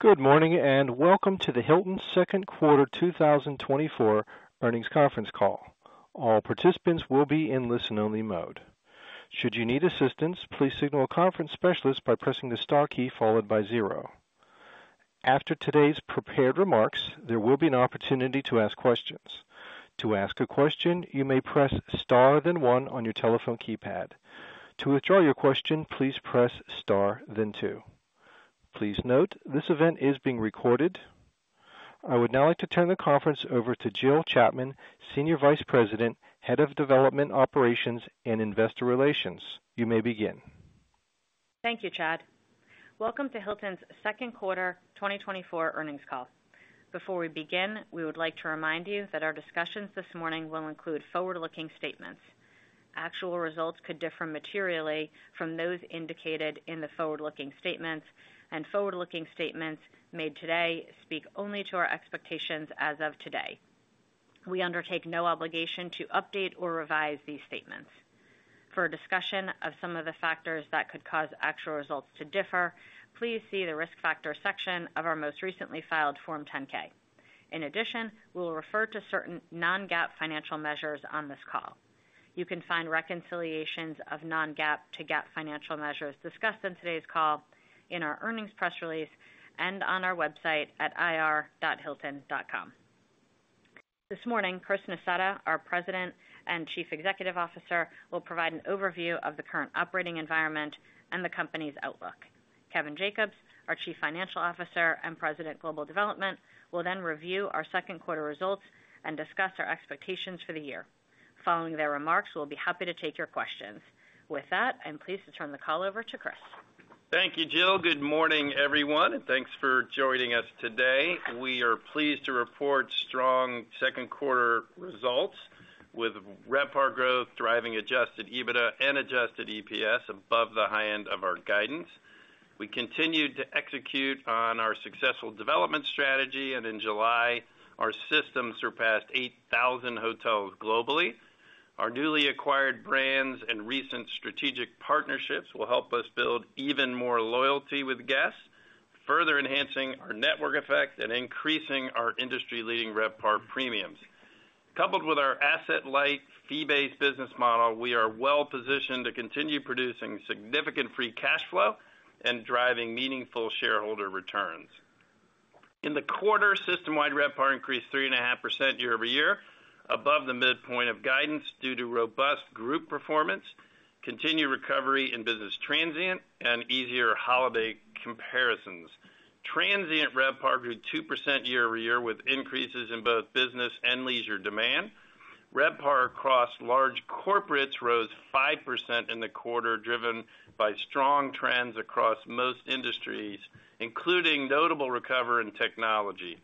Good morning, and Welcome to the Hilton Second Quarter 2024 Earnings Conference Call. All participants will be in listen-only mode. Should you need assistance, please signal a conference specialist by pressing the star key followed by zero. After today's prepared remarks, there will be an opportunity to ask questions. To ask a question, you may press star, then one on your telephone keypad. To withdraw your question, please press Star, then two. Please note, this event is being recorded. I would now like to turn the conference over to Jill Chapman, Senior Vice President, Head of Development, Operations, and Investor Relations. You may begin. Thank you, Chad. Welcome to Hilton's Second Quarter 2024 Earnings Call. Before we begin, we would like to remind you that our discussions this morning will include forward-looking statements. Actual results could differ materially from those indicated in the forward-looking statements, and forward-looking statements made today speak only to our expectations as of today. We undertake no obligation to update or revise these statements. For a discussion of some of the factors that could cause actual results to differ, please see the Risk Factors section of our most recently filed Form 10-K. In addition, we will refer to certain non-GAAP financial measures on this call. You can find reconciliations of non-GAAP to GAAP financial measures discussed on today's call in our earnings press release and on our website at ir.hilton.com. This morning, Chris Nassetta, our President and Chief Executive Officer, will provide an overview of the current operating environment and the company's outlook. Kevin Jacobs, our Chief Financial Officer and President, Global Development, will then review our second quarter results and discuss our expectations for the year. Following their remarks, we'll be happy to take your questions. With that, I'm pleased to turn the call over to Chris. Thank you, Jill. Good morning, everyone, and thanks for joining us today. We are pleased to report strong second quarter results with RevPAR growth, driving adjusted EBITDA and adjusted EPS above the high end of our guidance. We continued to execute on our successful development strategy, and in July, our system surpassed 8,000 hotels globally. Our newly acquired brands and recent strategic partnerships will help us build even more loyalty with guests, further enhancing our network effect and increasing our industry-leading RevPAR premiums. Coupled with our asset-light, fee-based business model, we are well positioned to continue producing significant free cash flow and driving meaningful shareholder returns. In the quarter, system-wide RevPAR increased 3.5% year-over-year, above the midpoint of guidance due to robust group performance, continued recovery in business transient, and easier holiday comparisons. Transient RevPAR grew 2% year-over-year, with increases in both business and leisure demand. RevPAR across large corporates rose 5% in the quarter, driven by strong trends across most industries, including notable recovery in technology.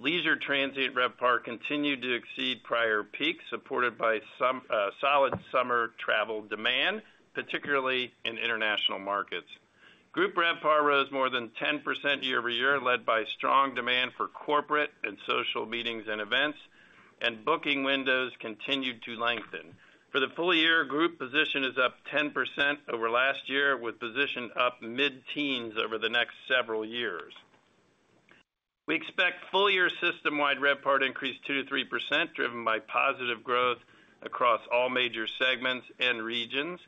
Leisure transient RevPAR continued to exceed prior peaks, supported by some solid summer travel demand, particularly in international markets. Group RevPAR rose more than 10% year-over-year, led by strong demand for corporate and social meetings and events, and booking windows continued to lengthen. For the full year, group position is up 10% over last year, with position up mid-teens over the next several years. We expect full year system-wide RevPAR to increase 2%-3%, driven by positive growth across all major segments and regions.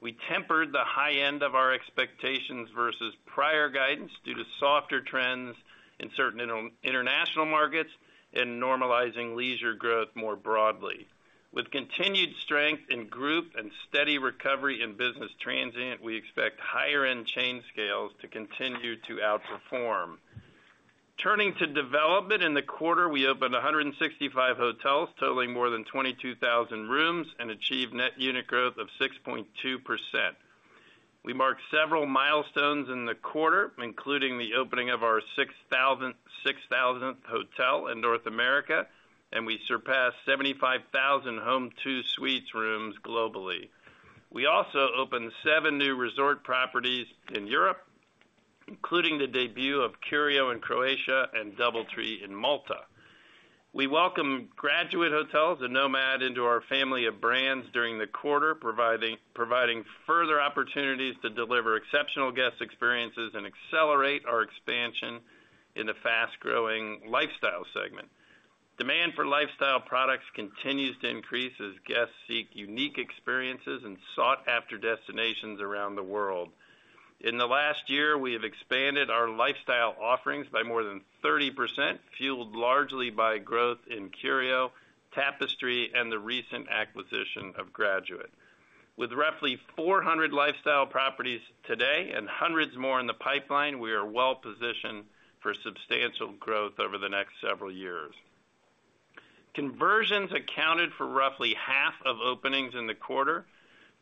We tempered the high end of our expectations versus prior guidance due to softer trends in certain inter-international markets and normalizing leisure growth more broadly. With continued strength in group and steady recovery in business transient, we expect higher end chain scales to continue to outperform. Turning to development, in the quarter, we opened 165 hotels, totaling more than 22,000 rooms, and achieved net unit growth of 6.2%. We marked several milestones in the quarter, including the opening of our 6,000th hotel in North America, and we surpassed 75,000 Home2 Suites rooms globally. We also opened seven new resort properties in Europe, including the debut of Curio in Croatia and DoubleTree in Malta. We welcomed Graduate Hotels and NoMad into our family of brands during the quarter, providing further opportunities to deliver exceptional guest experiences and accelerate our expansion in the fast-growing lifestyle segment. Demand for lifestyle products continues to increase as guests seek unique experiences and sought-after destinations around the world. In the last year, we have expanded our lifestyle offerings by more than 30%, fueled largely by growth in Curio, Tapestry, and the recent acquisition of Graduate. With roughly 400 lifestyle properties today and hundreds more in the pipeline, we are well positioned for substantial growth over the next several years. Conversions accounted for roughly half of openings in the quarter,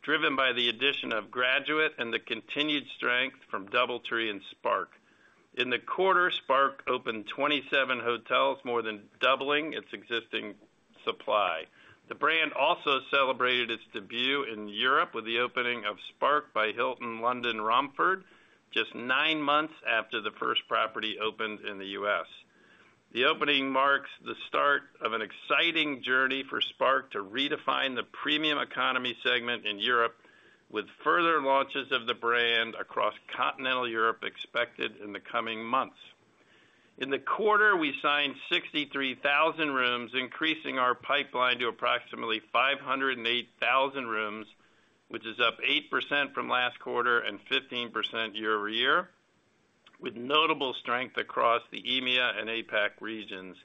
driven by the addition of Graduate and the continued strength from DoubleTree and Spark. In the quarter, Spark opened 27 hotels, more than doubling its existing supply. The brand also celebrated its debut in Europe with the opening of Spark by Hilton London Romford, just 9 months after the first property opened in the U.S.... The opening marks the start of an exciting journey for Spark to redefine the premium economy segment in Europe, with further launches of the brand across continental Europe expected in the coming months. In the quarter, we signed 63,000 rooms, increasing our pipeline to approximately 508,000 rooms, which is up 8% from last quarter and 15% year-over-year, with notable strength across the EMEA and APAC regions.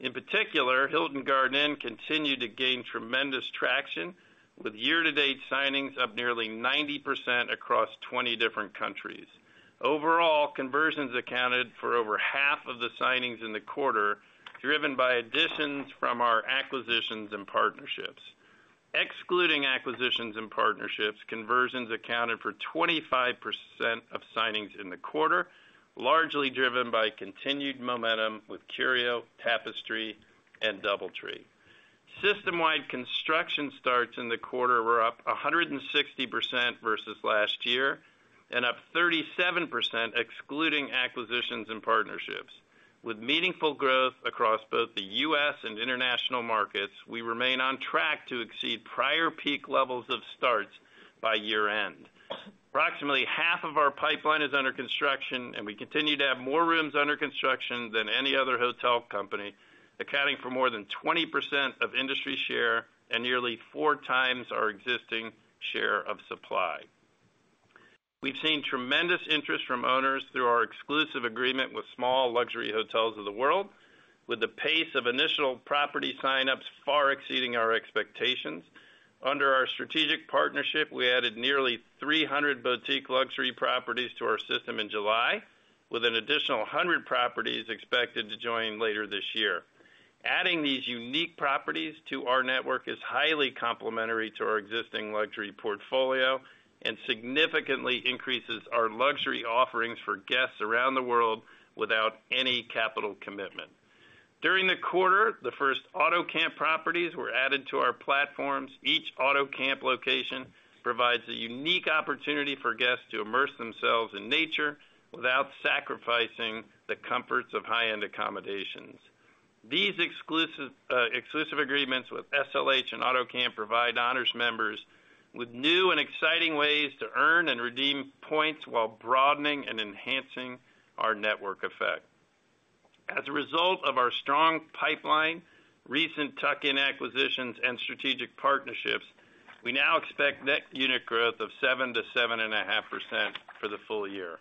In particular, Hilton Garden Inn continued to gain tremendous traction, with year-to-date signings up nearly 90% across 20 different countries. Overall, conversions accounted for over half of the signings in the quarter, driven by additions from our acquisitions and partnerships. Excluding acquisitions and partnerships, conversions accounted for 25% of signings in the quarter, largely driven by continued momentum with Curio, Tapestry, and DoubleTree. System-wide construction starts in the quarter were up 160% versus last year, and up 37%, excluding acquisitions and partnerships. With meaningful growth across both the U.S. and international markets, we remain on track to exceed prior peak levels of starts by year-end. Approximately half of our pipeline is under construction, and we continue to have more rooms under construction than any other hotel company, accounting for more than 20% of industry share and nearly 4 times our existing share of supply. We've seen tremendous interest from owners through our exclusive agreement with Small Luxury Hotels of the World, with the pace of initial property sign-ups far exceeding our expectations. Under our strategic partnership, we added nearly 300 boutique luxury properties to our system in July, with an additional 100 properties expected to join later this year. Adding these unique properties to our network is highly complementary to our existing luxury portfolio and significantly increases our luxury offerings for guests around the world without any capital commitment. During the quarter, the first AutoCamp properties were added to our platforms. Each AutoCamp location provides a unique opportunity for guests to immerse themselves in nature without sacrificing the comforts of high-end accommodations. These exclusive, exclusive agreements with SLH and AutoCamp provide Honors members with new and exciting ways to earn and redeem points while broadening and enhancing our network effect. As a result of our strong pipeline, recent tuck-in acquisitions, and strategic partnerships, we now expect net unit growth of 7%-7.5% for the full year.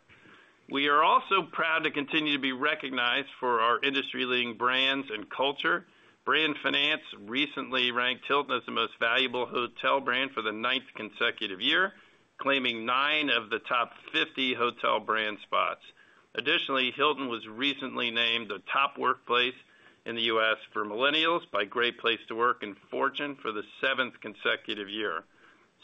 We are also proud to continue to be recognized for our industry-leading brands and culture. Brand Finance recently ranked Hilton as the Most Valuable Hotel Brand for the ninth consecutive year, claiming 9 of the top 50 hotel brand spots. Additionally, Hilton was recently named the Top Workplace in the US for Millennials by Great Place to Work and Fortune for the seventh consecutive year.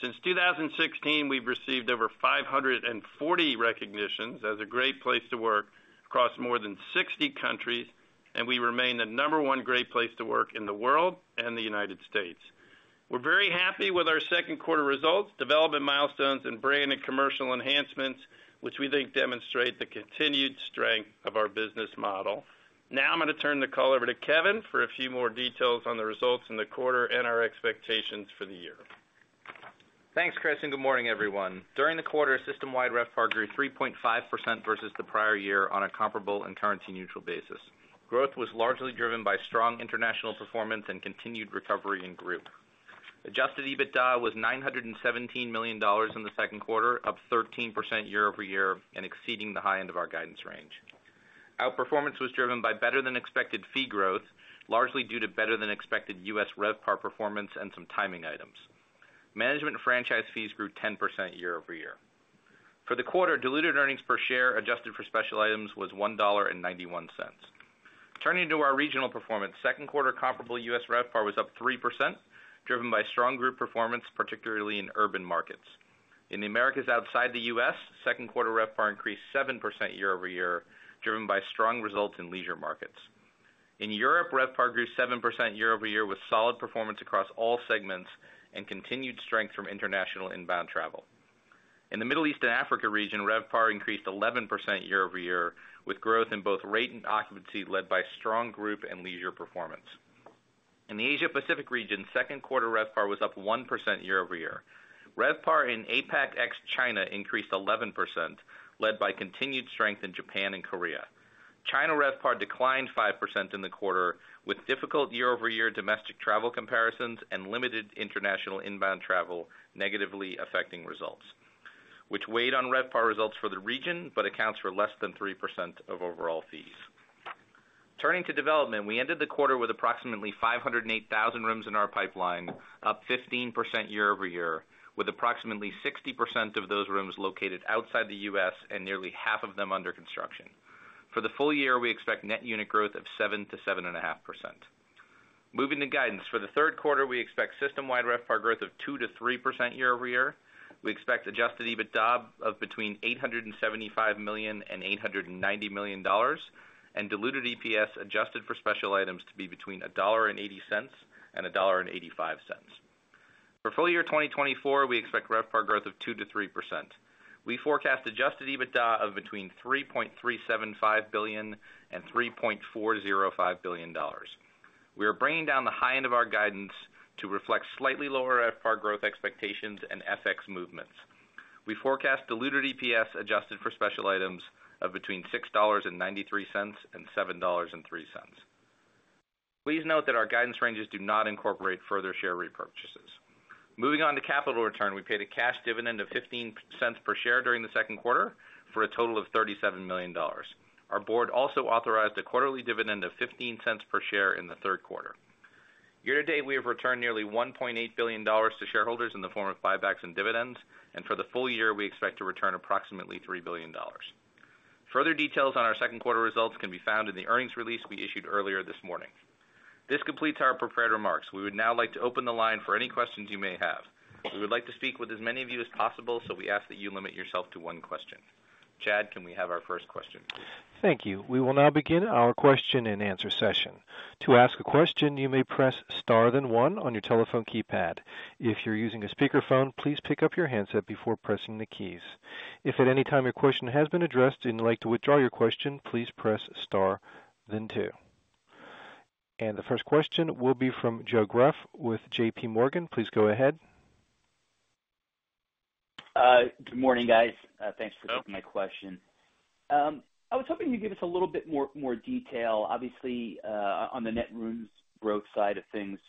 Since 2016, we've received over 540 recognitions as a great place to work across more than 60 countries, and we remain the number one great place to work in the world and the United States. We're very happy with our second quarter results, development milestones, and brand and commercial enhancements, which we think demonstrate the continued strength of our business model. Now I'm going to turn the call over to Kevin for a few more details on the results in the quarter and our expectations for the year. Thanks, Chris, and good morning, everyone. During the quarter, system-wide RevPAR grew 3.5% versus the prior year on a comparable and currency-neutral basis. Growth was largely driven by strong international performance and continued recovery in group. Adjusted EBITDA was $917 million in the second quarter, up 13% year-over-year and exceeding the high end of our guidance range. Outperformance was driven by better than expected fee growth, largely due to better than expected U.S. RevPAR performance and some timing items. Management and franchise fees grew 10% year-over-year. For the quarter, diluted earnings per share, adjusted for special items, was $1.91. Turning to our regional performance, second quarter comparable U.S. RevPAR was up 3%, driven by strong group performance, particularly in urban markets. In the Americas outside the U.S, second quarter RevPAR increased 7% year-over-year, driven by strong results in leisure markets. In Europe, RevPAR grew 7% year-over-year, with solid performance across all segments and continued strength from international inbound travel. In the Middle East and Africa region, RevPAR increased 11% year-over-year, with growth in both rate and occupancy, led by strong group and leisure performance. In the Asia Pacific region, second quarter RevPAR was up 1% year-over-year. RevPAR in APAC ex China increased 11%, led by continued strength in Japan and Korea. China RevPAR declined 5% in the quarter, with difficult year-over-year domestic travel comparisons and limited international inbound travel negatively affecting results, which weighed on RevPAR results for the region, but accounts for less than 3% of overall fees. Turning to development, we ended the quarter with approximately 508,000 rooms in our pipeline, up 15% year-over-year, with approximately 60% of those rooms located outside the US and nearly half of them under construction. For the full year, we expect net unit growth of 7%-7.5%. Moving to guidance. For the third quarter, we expect system-wide RevPAR growth of 2%-3% year-over-year. We expect adjusted EBITDA of between $875 million and $890 million, and diluted EPS adjusted for special items to be between $1.80 and $1.85. For full year 2024, we expect RevPAR growth of 2%-3%. We forecast adjusted EBITDA of between $3.375 billion and $3.405 billion. We are bringing down the high end of our guidance to reflect slightly lower RevPAR growth expectations and FX movements. We forecast diluted EPS adjusted for special items of between $6.93 and $7.03. Please note that our guidance ranges do not incorporate further share repurchases. Moving on to capital return. We paid a cash dividend of $0.15 per share during the second quarter, for a total of $37 million. Our board also authorized a quarterly dividend of $0.15 per share in the third quarter. Year to date, we have returned nearly $1.8 billion to shareholders in the form of buybacks and dividends, and for the full year, we expect to return approximately $3 billion. Further details on our second quarter results can be found in the earnings release we issued earlier this morning. This completes our prepared remarks. We would now like to open the line for any questions you may have. We would like to speak with as many of you as possible, so we ask that you limit yourself to one question. Chad, can we have our first question, please? Thank you. We will now begin our question-and-answer session. To ask a question, you may press star, then one on your telephone keypad. If you're using a speakerphone, please pick up your handset before pressing the keys. If at any time your question has been addressed and you'd like to withdraw your question, please press star, then two. The first question will be from Joe Greff with JPMorgan. Please go ahead. Good morning, guys. Thanks for taking my question. I was hoping you'd give us a little bit more detail, obviously, on the net rooms growth side of things,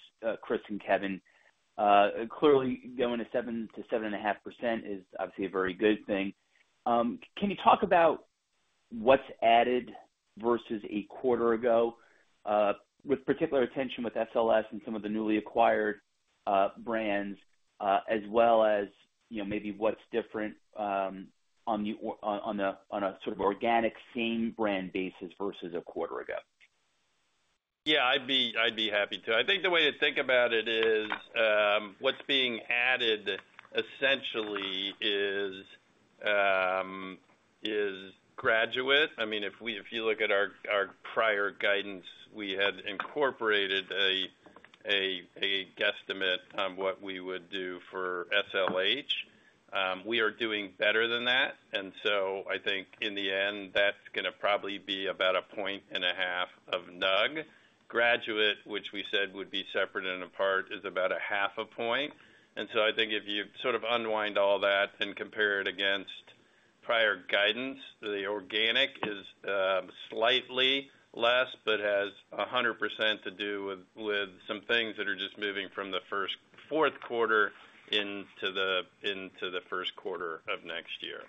Chris and Kevin. Clearly, going to 7%-7.5% is obviously a very good thing. Can you talk about what's added versus a quarter ago, with particular attention to SLH and some of the newly acquired brands, as well as, you know, maybe what's different on a sort of organic same brand basis versus a quarter ago? Yeah, I'd be, I'd be happy to. I think the way to think about it is, what's being added essentially is Graduate. I mean, if you look at our prior guidance, we had incorporated a guesstimate on what we would do for SLH. We are doing better than that, and so I think in the end, that's gonna probably be about 1.5 points of NUG. Graduate, which we said would be separate and apart, is about 0.5 point. And so I think if you sort of unwind all that and compare it against prior guidance, the organic is slightly less, but has 100% to do with some things that are just moving from the fourth quarter into the first quarter of next year.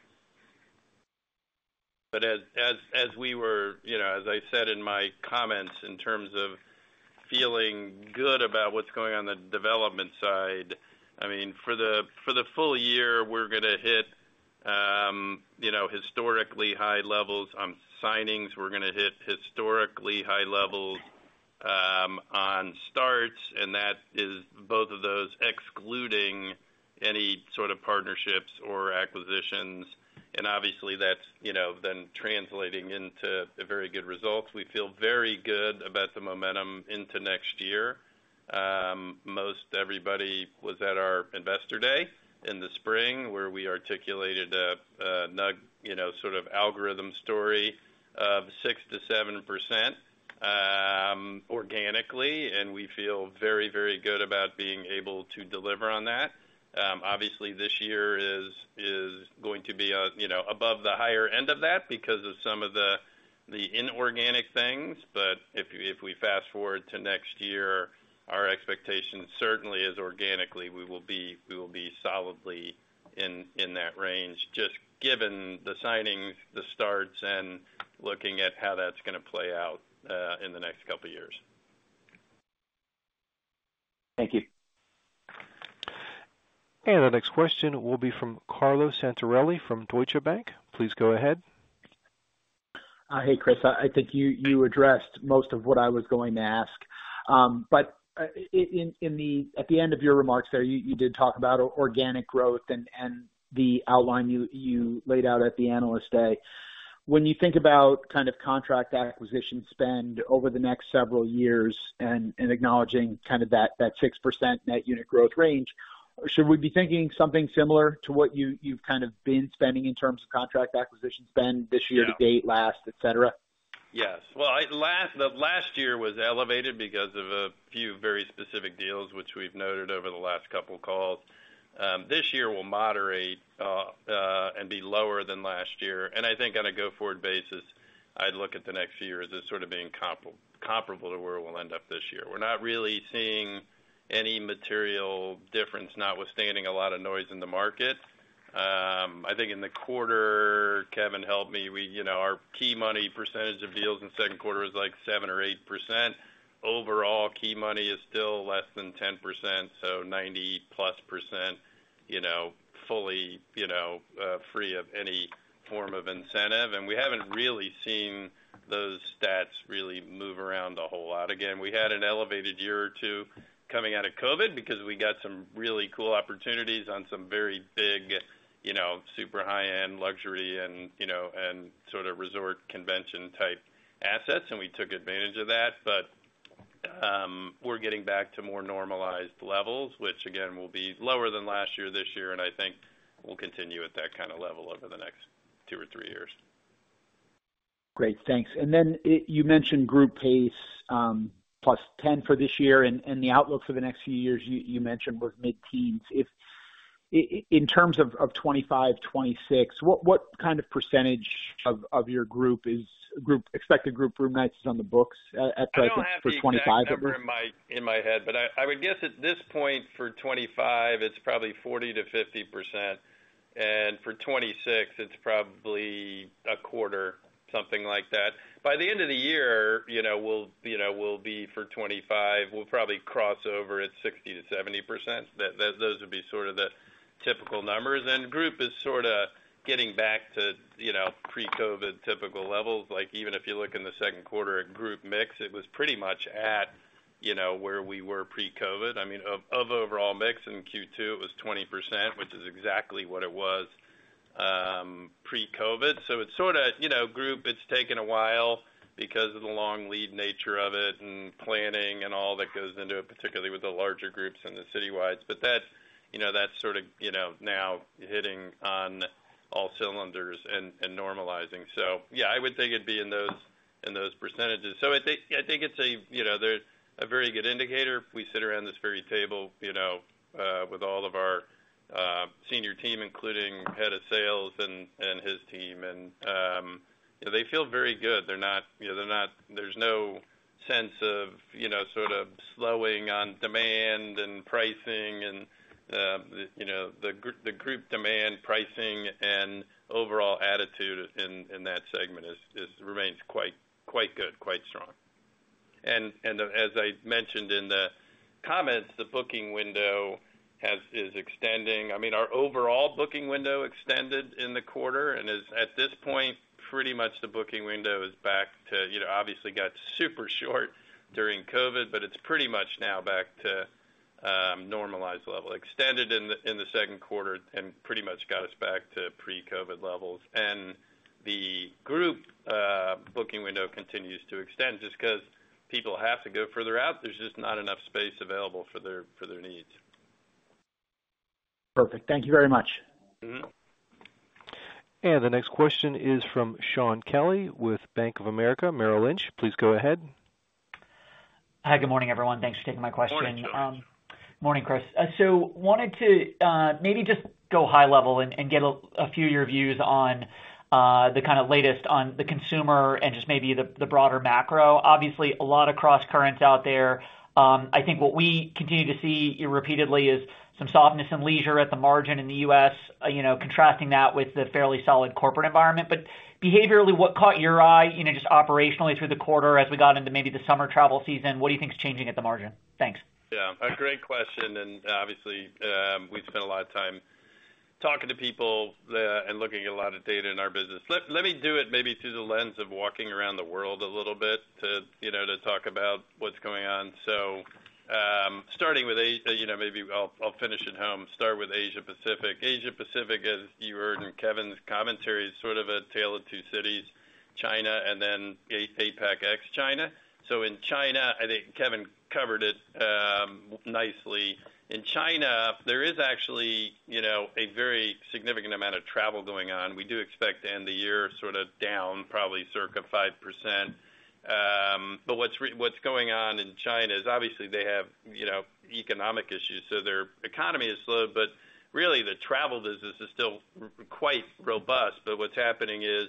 But as we were... You know, as I said in my comments, in terms of feeling good about what's going on the development side, I mean, for the full year, we're gonna hit, you know, historically high levels on signings. We're gonna hit historically high levels on starts, and that is both of those excluding any sort of partnerships or acquisitions. And obviously that's, you know, then translating into a very good results. We feel very good about the momentum into next year. Most everybody was at our investor day in the spring, where we articulated a NUG, you know, sort of algorithm story of 6%-7% organically, and we feel very, very good about being able to deliver on that. Obviously, this year is going to be, you know, above the higher end of that because of some of the inorganic things. But if we fast-forward to next year, our expectation certainly is organically, we will be solidly in that range, just given the signings, the starts, and looking at how that's gonna play out in the next couple of years. Thank you. The next question will be from Carlo Santarelli, from Deutsche Bank. Please go ahead. Hey, Chris, I think you addressed most of what I was going to ask. But at the end of your remarks there, you did talk about organic growth and the outline you laid out at the Analyst Day. When you think about kind of contract acquisition spend over the next several years and acknowledging kind of that 6% net unit growth range, should we be thinking something similar to what you've kind of been spending in terms of contract acquisition spend this year? Yeah - to date, last, et cetera? Yes. Well, last year was elevated because of a few very specific deals, which we've noted over the last couple of calls. This year will moderate, and be lower than last year. And I think on a go-forward basis, I'd look at the next few years as sort of being comparable to where we'll end up this year. We're not really seeing any material difference, notwithstanding a lot of noise in the market. I think in the quarter, Kevin, help me, we, you know, our key money percentage of deals in the second quarter was, like, 7 or 8%. Overall, key money is still less than 10%, so 90+%, you know, fully, you know, free of any form of incentive. And we haven't really seen those stats really move around a whole lot. Again, we had an elevated year or two coming out of COVID because we got some really cool opportunities on some very big, you know, super high-end luxury and, you know, and sort of resort convention-type assets, and we took advantage of that. We're getting back to more normalized levels, which again, will be lower than last year, this year, and I think will continue at that kind of level over the next two or three years. Great, thanks. And then you mentioned group pace +10% for this year, and the outlook for the next few years you mentioned was mid-teens. If in terms of 2025, 2026, what kind of percentage of your group expected group room nights is on the books, I think, for 2025 numbers? I don't have the exact number in my head, but I would guess at this point, for 2025, it's probably 40%-50%, and for 2026, it's probably 25%, something like that. By the end of the year, you know, we'll, you know, we'll be for 2025, we'll probably cross over at 60%-70%. That, those would be sort of the typical numbers. And group is sorta getting back to, you know, pre-COVID typical levels. Like, even if you look in the second quarter at group mix, it was pretty much at, you know, where we were pre-COVID. I mean, of overall mix in Q2, it was 20%, which is exactly what it was pre-COVID. So it's sorta, you know, group, it's taken a while because of the long lead nature of it and planning and all that goes into it, particularly with the larger groups and the citywides. But that, you know, that's sort of, you know, now hitting on all cylinders and, and normalizing. So yeah, I would think it'd be in those, in those percentages. So I think, I think it's a, you know, they're a very good indicator. We sit around this very table, you know, with all of our senior team, including head of sales and, and his team, and they feel very good. They're not, you know, they're not—there's no sense of, you know, sort of slowing on demand and pricing and, you know, the group demand, pricing, and overall attitude in, in that segment is—remains quite, quite good, quite strong. And as I mentioned in the comments, the booking window is extending. I mean, our overall booking window extended in the quarter and is, at this point, pretty much the booking window is back to... You know, obviously got super short during COVID, but it's pretty much now back to normalized level. Extended in the second quarter and pretty much got us back to pre-COVID levels. And the group booking window continues to extend just 'cause people have to go further out. There's just not enough space available for their needs. Perfect. Thank you very much. Mm-hmm. The next question is from Shaun Kelly with Bank of America Merrill Lynch. Please go ahead. Hi, good morning, everyone. Thanks for taking my question. Morning, Shaun. Morning, Chris. So wanted to maybe just go high level and get a few of your views on the kind of latest on the consumer and just maybe the broader macro. Obviously, a lot of crosscurrents out there. I think what we continue to see repeatedly is some softness in leisure at the margin in the U.S., you know, contrasting that with the fairly solid corporate environment. But behaviorally, what caught your eye, you know, just operationally through the quarter as we got into maybe the summer travel season, what do you think is changing at the margin? Thanks. Yeah, a great question, and obviously, we spend a lot of time talking to people and looking at a lot of data in our business. Let me do it maybe through the lens of walking around the world a little bit to, you know, to talk about what's going on. So, starting with A, you know, maybe I'll finish at home, start with Asia Pacific. Asia Pacific, as you heard in Kevin's commentary, is sort of a tale of two cities, China and then APAC ex-China. So in China, I think Kevin covered it nicely. In China, there is actually, you know, a very significant amount of travel going on. We do expect to end the year sort of down, probably circa 5%. But what's going on in China is obviously they have, you know, economic issues, so their economy has slowed, but really, the travel business is still quite robust. But what's happening is,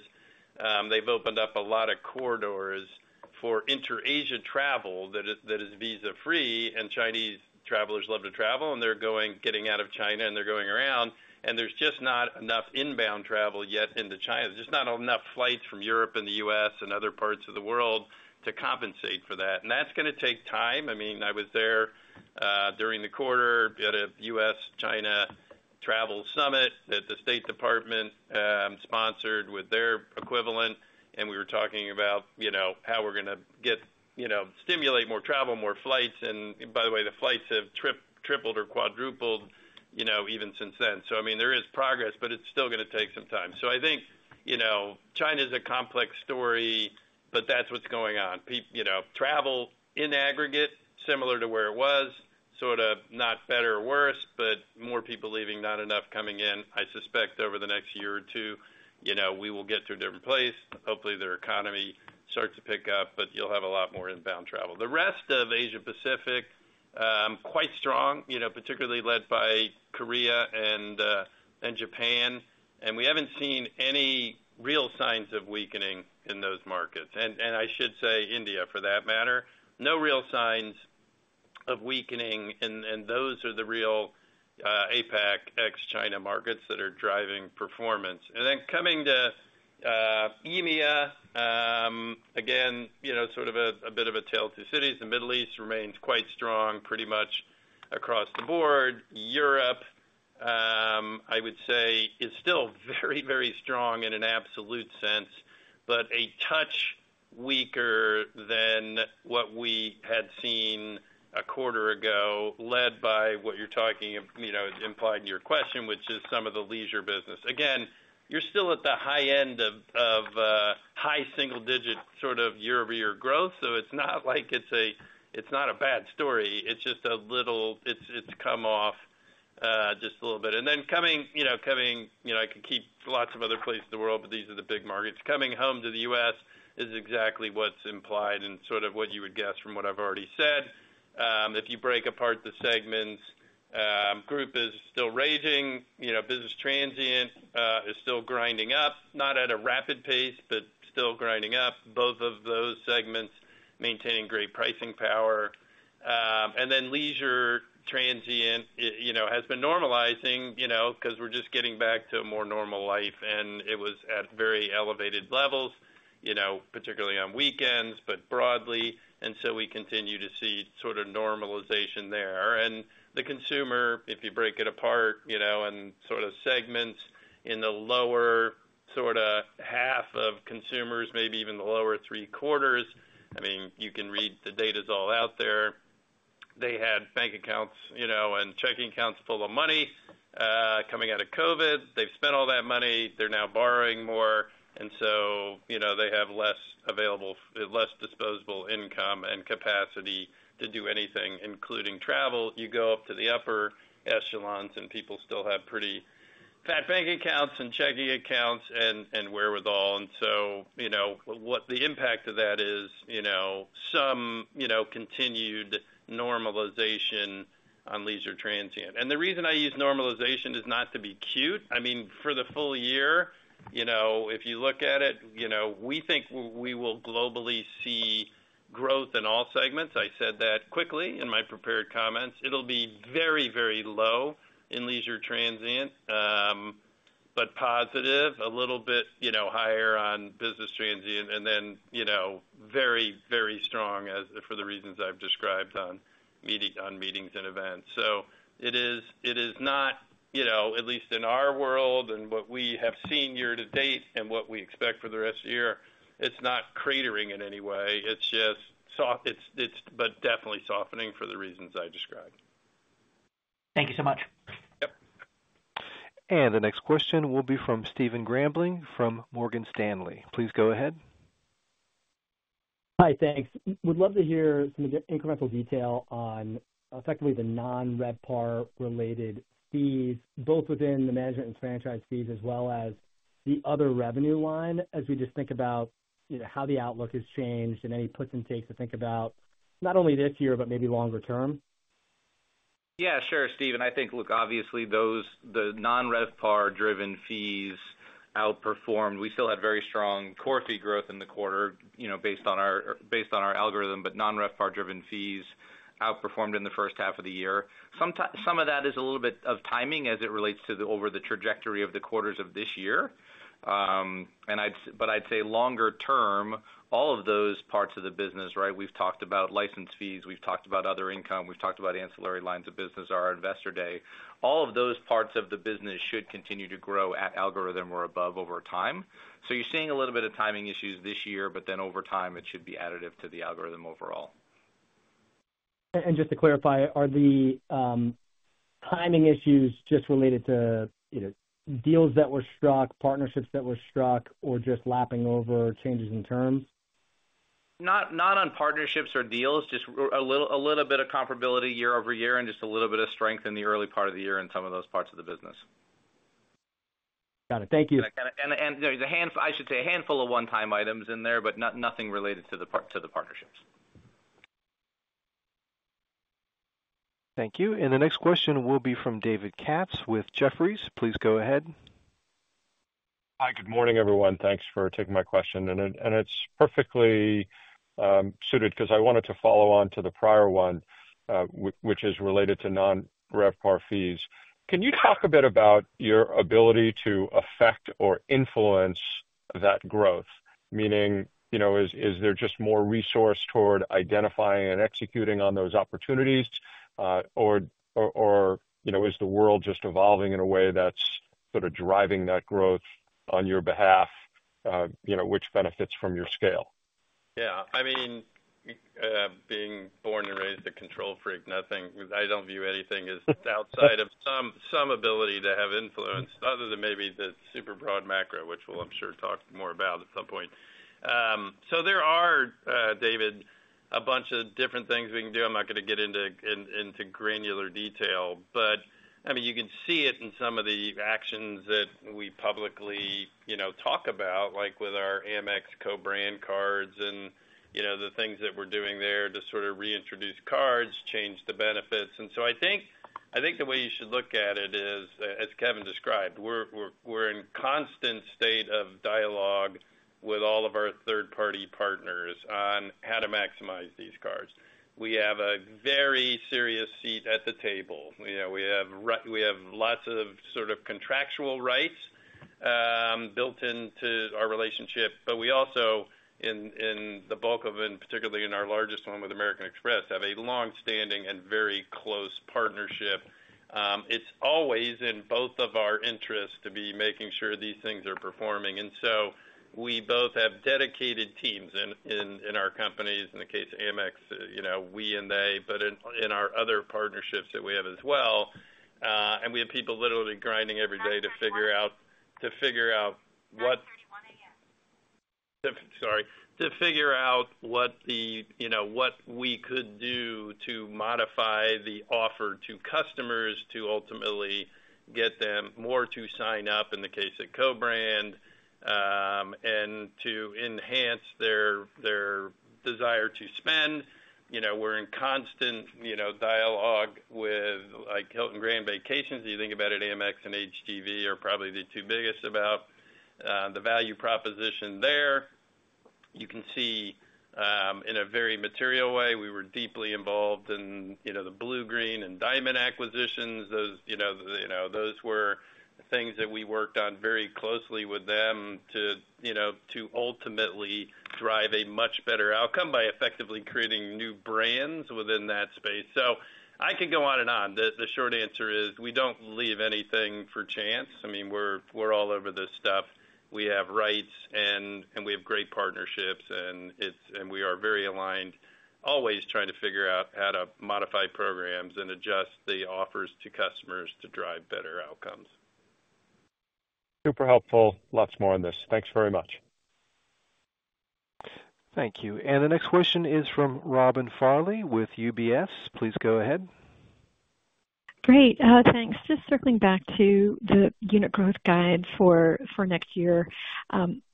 they've opened up a lot of corridors for inter-Asia travel that is, that is visa-free, and Chinese travelers love to travel, and they're going, getting out of China, and they're going around, and there's just not enough inbound travel yet into China. There's not enough flights from Europe and the US and other parts of the world to compensate for that, and that's gonna take time. I mean, I was there during the quarter at a U.S.-China travel summit that the State Department sponsored with their equivalent, and we were talking about, you know, how we're gonna get, you know, stimulate more travel, more flights. And by the way, the flights have tripled or quadrupled, you know, even since then. So I mean, there is progress, but it's still gonna take some time. So I think, you know, China is a complex story, but that's what's going on. You know, travel in aggregate, similar to where it was, sort of not better or worse, but more people leaving, not enough coming in. I suspect over the next year or two, you know, we will get to a different place. Hopefully, their economy starts to pick up, but you'll have a lot more inbound travel. The rest of Asia Pacific, quite strong, you know, particularly led by Korea and Japan, and we haven't seen any real signs of weakening in those markets. I should say India, for that matter, no real signs of weakening, and those are the real APAC ex-China markets that are driving performance. And then coming to EMEA, again, you know, sort of a bit of a tale of two cities. The Middle East remains quite strong, pretty much across the board. Europe, I would say, is still very, very strong in an absolute sense, but a touch weaker than what we had seen a quarter ago, led by what you're talking, you know, implied in your question, which is some of the leisure business. Again, you're still at the high end of high single digit sort of year-over-year growth. So it's not like it's a—it's not a bad story, it's just a little—it's come off just a little bit. And then coming, you know, I could keep lots of other places in the world, but these are the big markets. Coming home to the U.S. is exactly what's implied and sort of what you would guess from what I've already said. If you break apart the segments, group is still raging. You know, business transient is still grinding up, not at a rapid pace, but still grinding up. Both of those segments maintaining great pricing power. And then leisure transient, you know, has been normalizing, you know, 'cause we're just getting back to a more normal life, and it was at very elevated levels, you know, particularly on weekends, but broadly. And so we continue to see sort of normalization there. The consumer, if you break it apart, you know, and sort of segments in the lower sorta half of consumers, maybe even the lower three quarters, I mean, you can read the data's all out there. They had bank accounts, you know, and checking accounts full of money coming out of COVID. They've spent all that money. They're now borrowing more, and so, you know, they have less available, less disposable income and capacity to do anything, including travel. You go up to the upper echelons, and people still have pretty fat bank accounts and checking accounts and, and wherewithal. And so, you know, what the impact of that is, you know, some continued normalization on leisure transient. And the reason I use normalization is not to be cute. I mean, for the full year, you know, if you look at it, you know, we think we will globally see growth in all segments. I said that quickly in my prepared comments. It'll be very, very low in leisure transient, but positive, a little bit, you know, higher on business transient, and then, you know, very, very strong for the reasons I've described on meetings and events. So it is not, you know, at least in our world and what we have seen year to date and what we expect for the rest of the year, it's not cratering in any way. It's just soft... It's but definitely softening for the reasons I described. Thank you so much. Yep. The next question will be from Stephen Grambling from Morgan Stanley. Please go ahead. Hi, thanks. Would love to hear some incremental detail on effectively the non-RevPAR related fees, both within the management and franchise fees, as well as the other revenue line, as we just think about, you know, how the outlook has changed and any puts and takes to think about, not only this year, but maybe longer term. Yeah, sure, Stephen. I think, look, obviously, those, the non-RevPAR driven fees outperformed. We still had very strong core fee growth in the quarter, you know, based on our, based on our algorithm, but non-RevPAR driven fees outperformed in the first half of the year. Some of that is a little bit of timing as it relates to the over the trajectory of the quarters of this year. But I'd say longer term, all of those parts of the business, right? We've talked about license fees, we've talked about other income, we've talked about ancillary lines of business, our investor day. All of those parts of the business should continue to grow at algorithm or above over time. So you're seeing a little bit of timing issues this year, but then over time, it should be additive to the algorithm overall. Just to clarify, are the timing issues just related to, you know, deals that were struck, partnerships that were struck, or just lapping over changes in terms? Not on partnerships or deals, just a little bit of comparability year-over-year and just a little bit of strength in the early part of the year in some of those parts of the business. Got it. Thank you. There's a handful of one-time items in there, but nothing related to the partnerships. Thank you. The next question will be from David Katz with Jefferies. Please go ahead. Hi, good morning, everyone. Thanks for taking my question. And it's perfectly suited because I wanted to follow on to the prior one, which is related to non-RevPAR fees. Can you talk a bit about your ability to affect or influence that growth? Meaning, you know, is there just more resource toward identifying and executing on those opportunities, or, you know, is the world just evolving in a way that's sort of driving that growth on your behalf, you know, which benefits from your scale? Yeah. I mean, being born and raised a control freak, nothing—I don't view anything as outside of some ability to have influence, other than maybe the super broad macro, which we'll, I'm sure, talk more about at some point. So there are, David, a bunch of different things we can do. I'm not gonna get into granular detail, but, I mean, you can see it in some of the actions that we publicly, you know, talk about, like with our Amex co-brand cards and, you know, the things that we're doing there to sort of reintroduce cards, change the benefits. So I think the way you should look at it is, as Kevin described, we're in constant state of dialogue with all of our third-party partners on how to maximize these cards. We have a very serious seat at the table. You know, we have we have lots of sort of contractual rights built into our relationship, but we also in the bulk of, and particularly in our largest one with American Express, have a long-standing and very close partnership. It's always in both of our interests to be making sure these things are performing. And so we both have dedicated teams in our companies. In the case of Amex, you know, we and they, but in our other partnerships that we have as well, and we have people literally grinding every day to figure out what the, you know, what we could do to modify the offer to customers to ultimately get them more to sign up, in the case of co-brand, and to enhance their, their desire to spend. You know, we're in constant, you know, dialogue with, like, Hilton Grand Vacations. If you think about it, Amex and HGV are probably the two biggest about the value proposition there. You can see, in a very material way, we were deeply involved in, you know, the Bluegreen and Diamond acquisitions. Those, you know, those were things that we worked on very closely with them to, you know, to ultimately drive a much better outcome by effectively creating new brands within that space. So I could go on and on. The short answer is, we don't leave anything for chance. I mean, we're all over this stuff. We have rights, and we have great partnerships, and it's, and we are very aligned, always trying to figure out how to modify programs and adjust the offers to customers to drive better outcomes. Super helpful. Lots more on this. Thanks very much. Thank you. The next question is from Robin Farley with UBS. Please go ahead. Great, thanks. Just circling back to the unit growth guide for next year.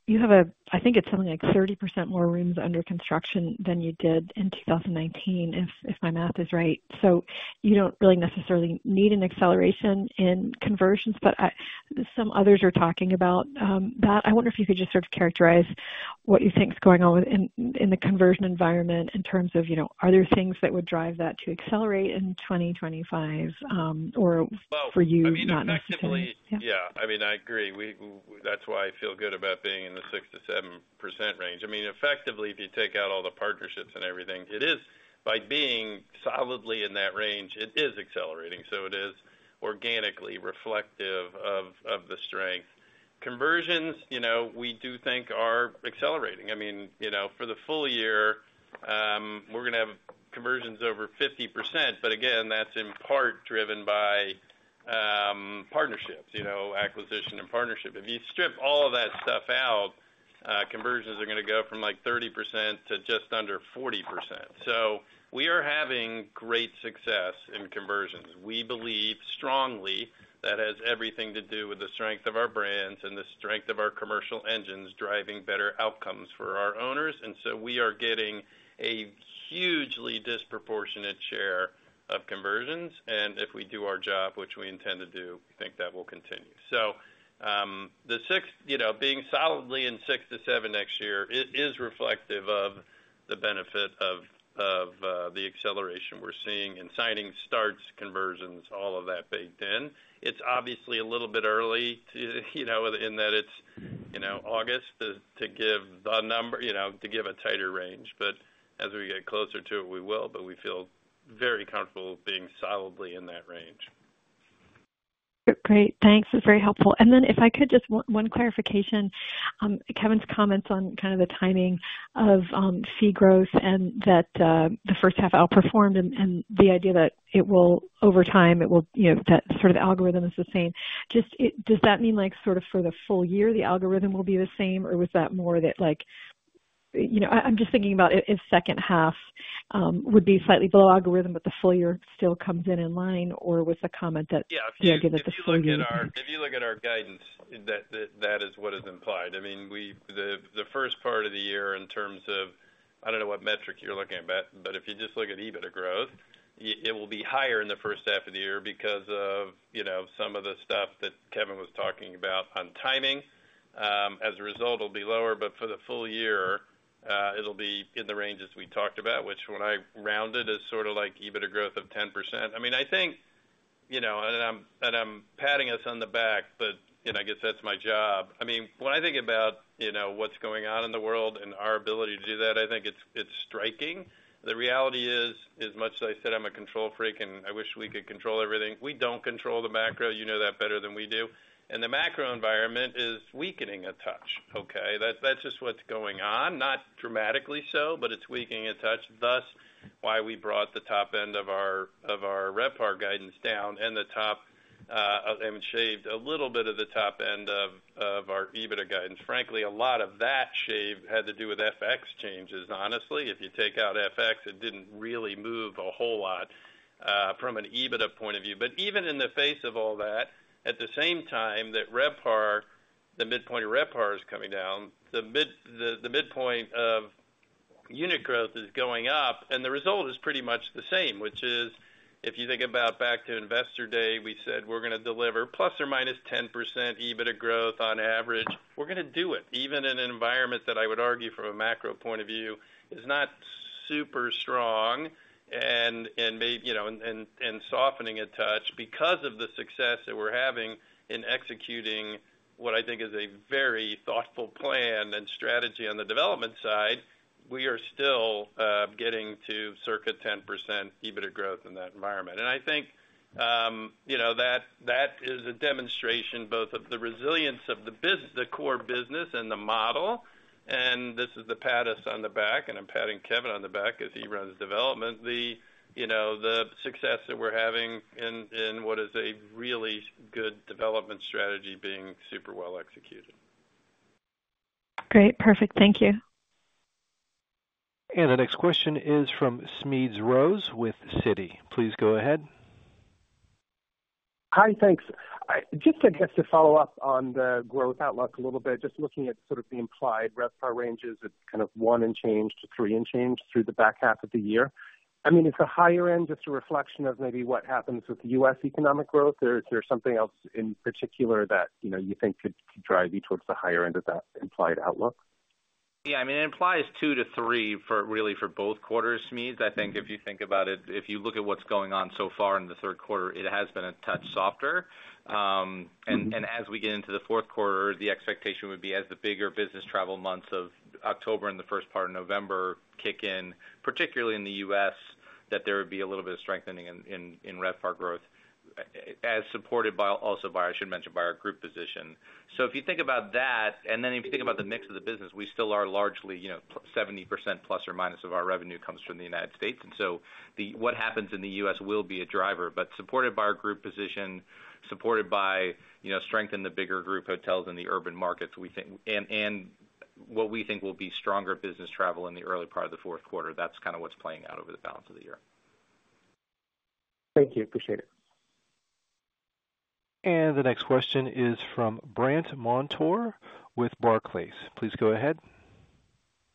You have—I think it's something like 30% more rooms under construction than you did in 2019, if my math is right. So you don't really necessarily need an acceleration in conversions, but some others are talking about that. I wonder if you could just sort of characterize what you think is going on in the conversion environment in terms of, you know, are there things that would drive that to accelerate in 2025, or for you- Well, I mean, effectively- Yeah. Yeah. I mean, I agree. We-- That's why I feel good about being in the 6%-7% range. I mean, effectively, if you take out all the partnerships and everything, it is by being solidly in that range, it is accelerating, so it is organically reflective of, of the strength. Conversions, you know, we do think are accelerating. I mean, you know, for the full year, we're gonna have conversions over 50%, but again, that's in part driven by, partnerships, you know, acquisition and partnership. If you strip all of that stuff out, conversions are gonna go from, like, 30% to just under 40%. So we are having great success in conversions. We believe strongly that has everything to do with the strength of our brands and the strength of our commercial engines driving better outcomes for our owners, and so we are getting a hugely disproportionate share of conversions, and if we do our job, which we intend to do, we think that will continue. So, the six, you know, being solidly in 6-7 next year is reflective of the benefit of the acceleration we're seeing in signings, starts, conversions, all of that baked in. It's obviously a little bit early, you know, in that it's, you know, August to give the number, you know, to give a tighter range. But as we get closer to it, we will, but we feel very comfortable being solidly in that range. Great. Thanks. That's very helpful. And then if I could, just one clarification. Kevin's comments on kind of the timing of fee growth and that the first half outperformed and the idea that it will over time, it will, you know, that sort of algorithm is the same. Just it. Does that mean, like, sort of for the full year, the algorithm will be the same, or was that more that, like. You know, I'm just thinking about if second half would be slightly below algorithm, but the full year still comes in in line, or was the comment that- Yeah. The idea that the full year- If you look at our guidance, that is what is implied. I mean, we. The first part of the year, in terms of, I don't know what metric you're looking at, but if you just look at EBITDA growth, it will be higher in the first half of the year because of, you know, some of the stuff that Kevin was talking about on timing. As a result, it'll be lower, but for the full year, it'll be in the ranges we talked about, which when I rounded, is sort of like EBITDA growth of 10%. I mean, I think, you know, and I'm patting us on the back, but, you know, I guess that's my job. I mean, when I think about, you know, what's going on in the world and our ability to do that, I think it's, it's striking. The reality is, as much as I said, I'm a control freak and I wish we could control everything. We don't control the macro, you know that better than we do, and the macro environment is weakening a touch, okay? That's, that's just what's going on. Not dramatically so, but it's weakening a touch. Thus, why we brought the top end of our, of our RevPAR guidance down and the top, and shaved a little bit of the top end of, of our EBITDA guidance. Frankly, a lot of that shave had to do with FX changes. Honestly, if you take out FX, it didn't really move a whole lot, from an EBITDA point of view. But even in the face of all that, at the same time, that RevPAR, the midpoint of RevPAR is coming down, the midpoint of unit growth is going up, and the result is pretty much the same, which is, if you think about back to Investor Day, we said we're gonna deliver ±10% EBITDA growth on average. We're gonna do it, even in an environment that I would argue from a macro point of view, is not super strong and may, you know, softening a touch. Because of the success that we're having in executing what I think is a very thoughtful plan and strategy on the development side... We are still getting to circa 10% EBITDA growth in that environment. I think, you know, that is a demonstration both of the resilience of the core business and the model, and this is a pat on the back, and I'm patting Kevin on the back as he runs development. You know, the success that we're having in what is a really good development strategy being super well executed. Great. Perfect. Thank you. The next question is from Smedes Rose with Citi. Please go ahead. Hi, thanks. Just, I guess, to follow up on the growth outlook a little bit, just looking at sort of the implied RevPAR ranges of kind of 1 and change to 3 and change through the back half of the year. I mean, is the higher end just a reflection of maybe what happens with U.S. economic growth, or is there something else in particular that, you know, you think could drive you towards the higher end of that implied outlook? Yeah, I mean, it implies 2-3% for really, for both quarters, Smedes. I think if you think about it, if you look at what's going on so far in the third quarter, it has been a touch softer. And as we get into the fourth quarter, the expectation would be as the bigger business travel months of October and the first part of November kick in, particularly in the U.S., that there would be a little bit of strengthening in RevPAR growth, as supported by, I should mention, by our group position. So if you think about that, and then if you think about the mix of the business, we still are largely, you know, 70% plus or minus of our revenue comes from the United States. What happens in the U.S. will be a driver, but supported by our group position, supported by, you know, strength in the bigger group hotels in the urban markets, we think. And what we think will be stronger business travel in the early part of the fourth quarter. That's kind of what's playing out over the balance of the year. Thank you. Appreciate it. The next question is from Brandt Montour with Barclays. Please go ahead.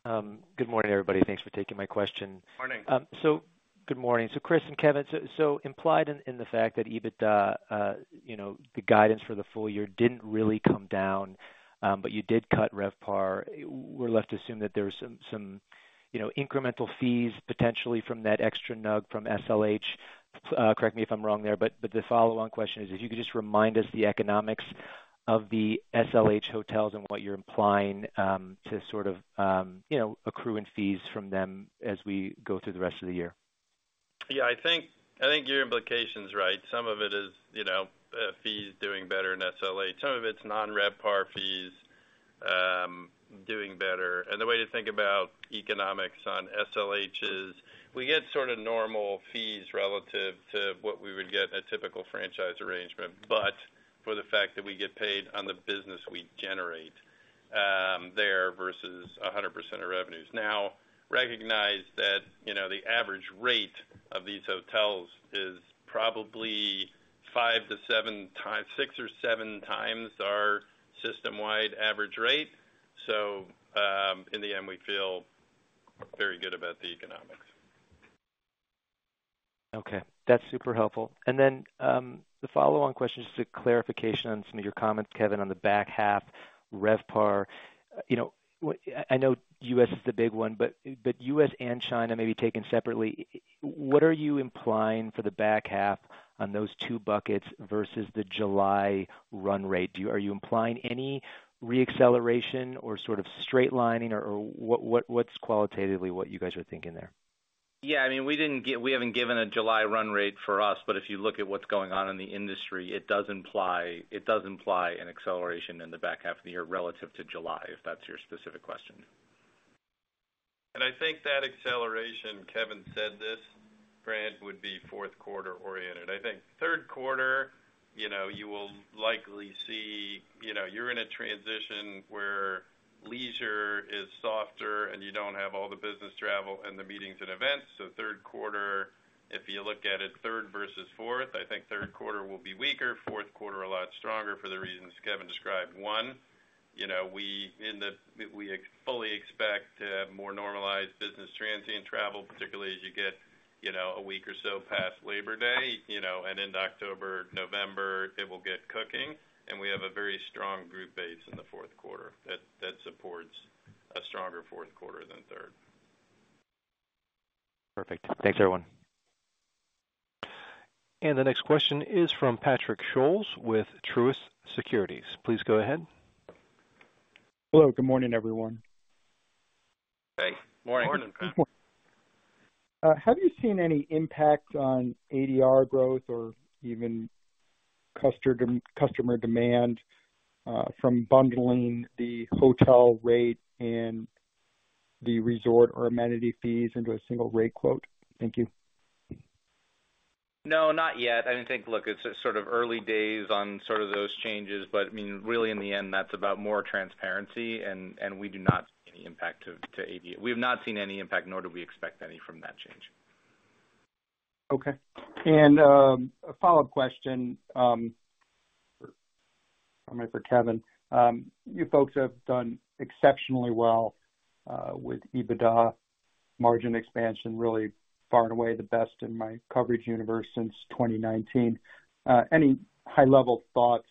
Good morning, everybody. Thanks for taking my question. Morning. So good morning. So Chris and Kevin, so implied in the fact that EBITDA, you know, the guidance for the full year didn't really come down, but you did cut RevPAR. We're left to assume that there's some, you know, incremental fees potentially from that extra NUG from SLH. Correct me if I'm wrong there, but the follow-on question is, if you could just remind us the economics of the SLH hotels and what you're implying, to sort of, you know, accrue in fees from them as we go through the rest of the year. Yeah, I think, I think your implication is right. Some of it is, you know, fees doing better in SLH, some of it's non-RevPAR fees doing better. And the way to think about economics on SLH is, we get sort of normal fees relative to what we would get in a typical franchise arrangement, but for the fact that we get paid on the business we generate there versus 100% of revenues. Now, recognize that, you know, the average rate of these hotels is probably 5-7 times, 6-7 times our system-wide average rate. So, in the end, we feel very good about the economics. Okay, that's super helpful. And then, the follow-on question, just a clarification on some of your comments, Kevin, on the back half RevPAR. You know, I know U.S. is the big one, but U.S. and China, maybe taken separately, what are you implying for the back half on those two buckets versus the July run rate? Are you implying any re-acceleration or sort of straight lining, or what, what's qualitatively what you guys are thinking there? Yeah, I mean, we didn't give, we haven't given a July run rate for us, but if you look at what's going on in the industry, it does imply, it does imply an acceleration in the back half of the year relative to July, if that's your specific question. I think that acceleration, Kevin said this,, would be fourth quarter-oriented. I think third quarter, you know, you will likely see, you know, you're in a transition where leisure is softer, and you don't have all the business travel and the meetings and events. So third quarter, if you look at it, third versus fourth, I think third quarter will be weaker, fourth quarter a lot stronger for the reasons Kevin described. One, you know, we fully expect to have more normalized business transient travel, particularly as you get, you know, a week or so past Labor Day, you know, and into October, November, it will get cooking, and we have a very strong group base in the fourth quarter that supports a stronger fourth quarter than third. Perfect. Thanks, everyone. The next question is from Patrick Scholes with Truist Securities. Please go ahead. Hello, good morning, everyone. Hey. Morning. Have you seen any impact on ADR growth or even customer demand from bundling the hotel rate and the resort or amenity fees into a single rate quote? Thank you. No, not yet. I didn't think. Look, it's sort of early days on sort of those changes, but I mean, really, in the end, that's about more transparency, and we do not see any impact to ADR. We have not seen any impact, nor do we expect any from that change. Okay. A follow-up question, maybe for Kevin. You folks have done exceptionally well with EBITDA margin expansion, really far and away the best in my coverage universe since 2019. Any high-level thoughts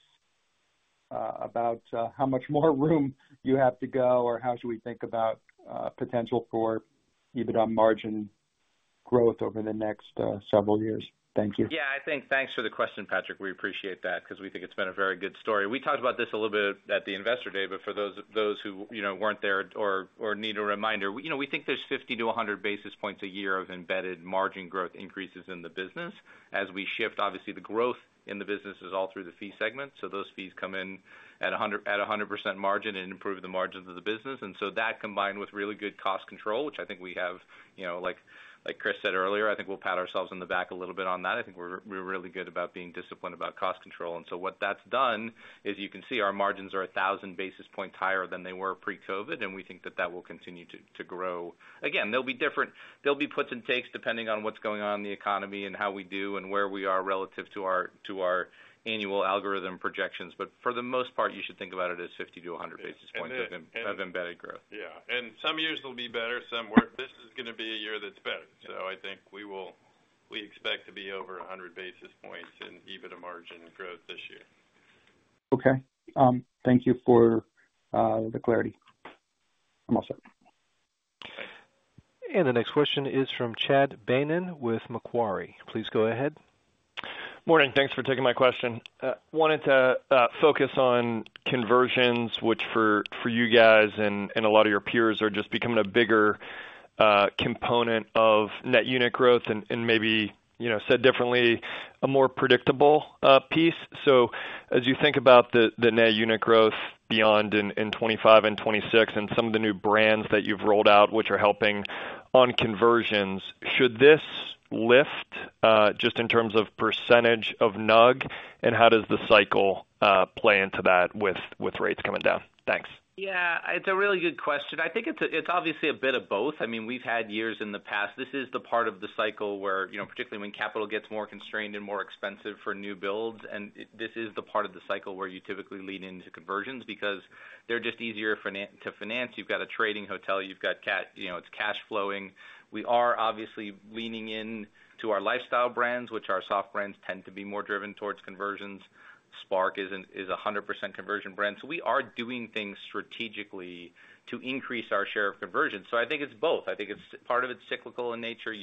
about how much more room you have to go, or how should we think about potential for EBITDA margin expansion, growth over the next several years? Thank you. Yeah, I think thanks for the question, Patrick. We appreciate that because we think it's been a very good story. We talked about this a little bit at the Investor Day, but for those who, you know, weren't there or need a reminder, you know, we think there's 50-100 basis points a year of embedded margin growth increases in the business as we shift. Obviously, the growth in the business is all through the fee segment, so those fees come in at a 100% margin and improve the margins of the business. And so that, combined with really good cost control, which I think we have, you know, like Chris said earlier, I think we'll pat ourselves on the back a little bit on that. I think we're really good about being disciplined about cost control. And so what that's done is, you can see our margins are 1,000 basis points higher than they were pre-COVID, and we think that that will continue to grow. Again, they'll be different—there'll be puts and takes, depending on what's going on in the economy and how we do and where we are relative to our annual algorithm projections. But for the most part, you should think about it as 50-100 basis points of embedded growth. Yeah, and some years will be better, some worse. This is gonna be a year that's better. So I think we will, we expect to be over 100 basis points in EBITDA margin growth this year. Okay, thank you for the clarity. I'm all set. The next question is from Chad Beynon with Macquarie. Please go ahead. Morning. Thanks for taking my question. Wanted to focus on conversions, which for, for you guys and, and a lot of your peers are just becoming a bigger component of net unit growth and, and maybe, you know, said differently, a more predictable piece. So as you think about the, the net unit growth beyond in 2025 and 2026 and some of the new brands that you've rolled out, which are helping on conversions, should this lift just in terms of percentage of NUG, and how does the cycle play into that with, with rates coming down? Thanks. Yeah, it's a really good question. I think it's obviously a bit of both. I mean, we've had years in the past. This is the part of the cycle where, you know, particularly when capital gets more constrained and more expensive for new builds, and this is the part of the cycle where you typically lean into conversions because they're just easier to finance. You've got a trading hotel, you know, it's cash flowing. We are obviously leaning in to our lifestyle brands, which our soft brands tend to be more driven towards conversions. Spark is a 100% conversion brand, so we are doing things strategically to increase our share of conversions. So I think it's both. I think it's part of it's cyclical in nature.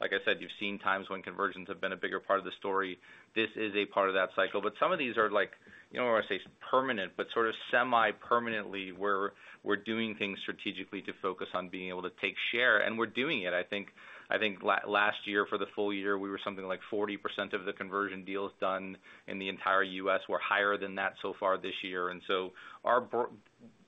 Like I said, you've seen times when conversions have been a bigger part of the story. This is a part of that cycle, but some of these are like, you know, I don't want to say permanent, but sort of semi-permanently, we're doing things strategically to focus on being able to take share, and we're doing it. I think last year, for the full year, we were something like 40% of the conversion deals done in the entire U.S. We're higher than that so far this year. And so,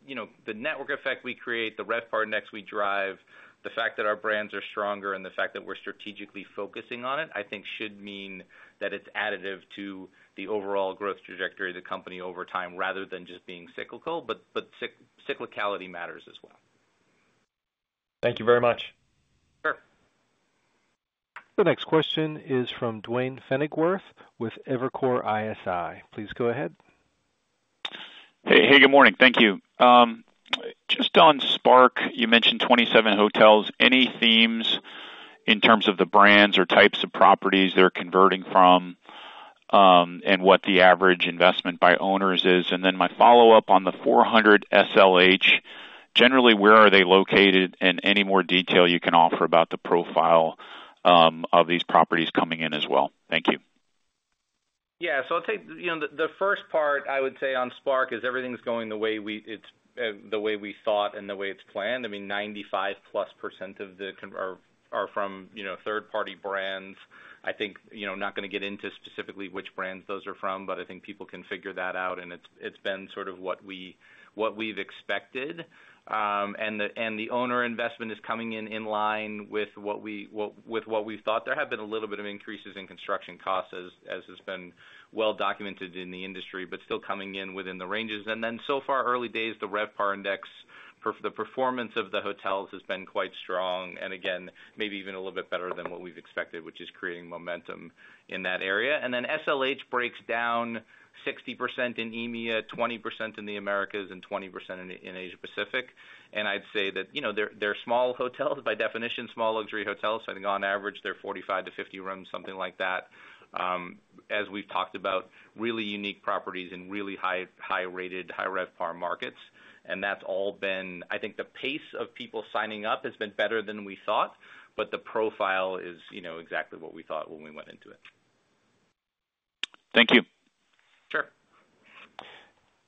you know, the network effect we create, the RevPAR index we drive, the fact that our brands are stronger and the fact that we're strategically focusing on it, I think should mean that it's additive to the overall growth trajectory of the company over time, rather than just being cyclical, but cyclicality matters as well. Thank you very much. Sure. The next question is from Duane Pfennigwerth with Evercore ISI. Please go ahead. Hey, hey, good morning. Thank you. Just on Spark, you mentioned 27 hotels. Any themes in terms of the brands or types of properties they're converting from, and what the average investment by owners is? And then my follow-up on the 400 SLH, generally, where are they located? And any more detail you can offer about the profile, of these properties coming in as well. Thank you. Yeah. So I'll take... You know, the first part I would say on Spark is everything's going the way we—it's the way we thought and the way it's planned. I mean, 95%+ of the conversions are from, you know, third-party brands. I think, you know, not gonna get into specifically which brands those are from, but I think people can figure that out, and it's been sort of what we've expected. And the owner investment is coming in in line with what we thought. There have been a little bit of increases in construction costs as has been well documented in the industry, but still coming in within the ranges. And then so far, early days, the RevPAR index—the performance of the hotels has been quite strong. And again, maybe even a little bit better than what we've expected, which is creating momentum in that area. And then SLH breaks down 60% in EMEA, 20% in the Americas, and 20% in Asia-Pacific. And I'd say that, you know, they're, they're small hotels, by definition, small luxury hotels. So I think on average, they're 45-50 rooms, something like that. As we've talked about, really unique properties and really high, high-rated, high RevPAR markets, and that's all been. I think the pace of people signing up has been better than we thought, but the profile is, you know, exactly what we thought when we went into it. Thank you. Sure.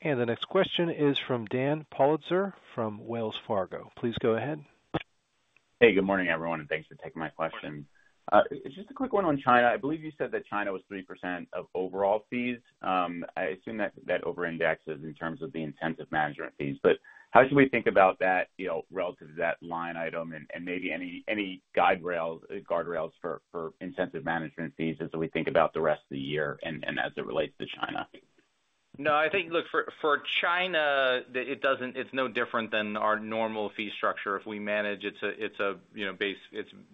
The next question is from Dan Politzer from Wells Fargo. Please go ahead. Hey, good morning, everyone, and thanks for taking my question. Just a quick one on China. I believe you said that China was 3% of overall fees. I assume that, that overindexes in terms of the Incentive Management Fees. But how should we think about that, you know, relative to that line item and, and maybe any, any guiderails, guardrails for, for Incentive Management Fees as we think about the rest of the year and, and as it relates to China? No, I think, look, for China, it doesn't—it's no different than our normal fee structure. If we manage, it's a, you know, base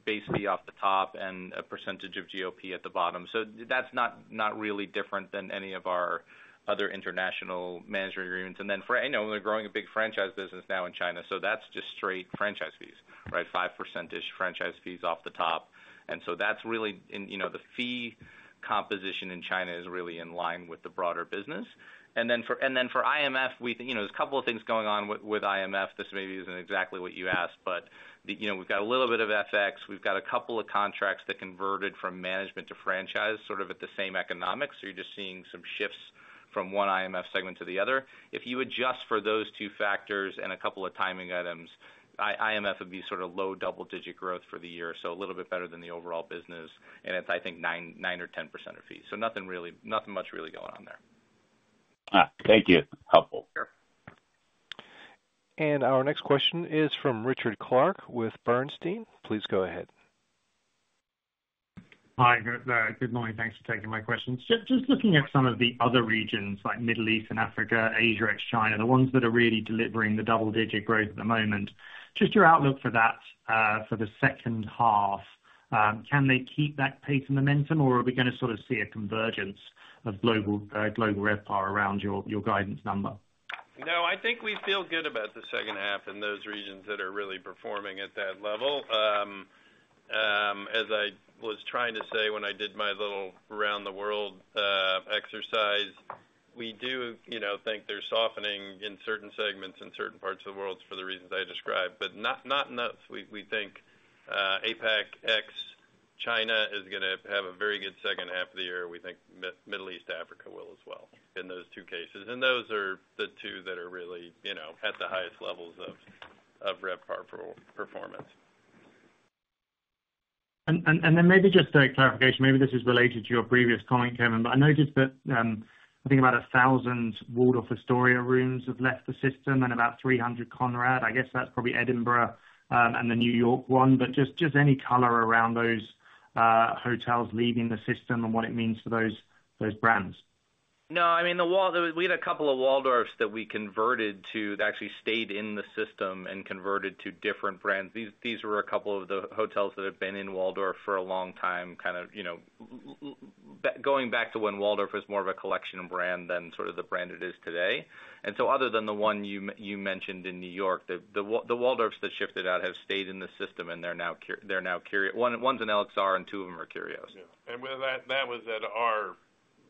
fee off the top and a percentage of GOP at the bottom. So that's not really different than any of our other international management agreements. And then... You know, we're growing a big franchise business now in China, so that's just straight franchise fees, right? 5%-ish franchise fees off the top. And so that's really, you know, the fee composition in China is really in line with the broader business. And then for IMF, we think, you know, there's a couple of things going on with IMF. This maybe isn't exactly what you asked, but, you know, we've got a little bit of FX. We've got a couple of contracts that converted from management to franchise, sort of at the same economics. So you're just seeing some shifts from one IMF segment to the other. If you adjust for those two factors and a couple of timing items, IMF would be sort of low double-digit growth for the year, so a little bit better than the overall business, and it's, I think, 9, 9 or 10% of fees. So nothing really, nothing much really going on there. Ah, thank you. Helpful. Sure. Our next question is from Richard Clarke with Bernstein. Please go ahead. Hi, good, good morning. Thanks for taking my question. Just, just looking at some of the other regions, like Middle East and Africa, Asia and China, the ones that are really delivering the double-digit growth at the moment, just your outlook for that, for the second half. Can they keep that pace and momentum, or are we gonna sort of see a convergence of global, global RevPAR around your, your guidance number? No, I think we feel good about the second half in those regions that are really performing at that level. As I was trying to say, when I did my little around the world exercise, we do, you know, think they're softening in certain segments, in certain parts of the world for the reasons I described, but not, not enough. We, we think, APAC, ex China, is gonna have a very good second half of the year. We think Middle East, Africa will as well, in those two cases. And those are the two that are really, you know, at the highest levels of RevPAR performance. Then maybe just a clarification, maybe this is related to your previous comment, Kevin, but I noticed that, I think about 1,000 Waldorf Astoria rooms have left the system and about 300 Conrad. I guess that's probably Edinburgh, and the New York one. But just any color around those hotels leaving the system and what it means for those brands. No, I mean, the Waldorf—we had a couple of Waldorfs that we converted to... That actually stayed in the system and converted to different brands. These were a couple of the hotels that had been in Waldorf for a long time, kind of, you know, going back to when Waldorf was more of a collection brand than sort of the brand it is today. And so other than the one you mentioned in New York, the Waldorfs that shifted out have stayed in the system, and they're now Curio. One's an LXR, and two of them are Curios. Yeah, and with that, that was at our